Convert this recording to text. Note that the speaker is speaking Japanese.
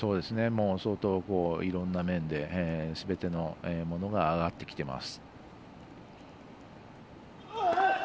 相当、いろんな面ですべてのものが上がってきています。